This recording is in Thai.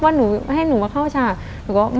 ว่าให้หนูเข้าฉาก